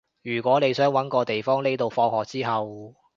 如果你想搵個地方匿到放學之後